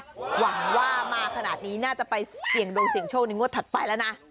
หวังว่ามาขนาดนี้น่าจะไปเสี่ยงดวงเสี่ยงโชคในงวดถัดไปแล้วนะ